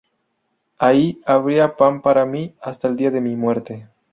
Ahí habría pan para mí hasta el día de mi muerte.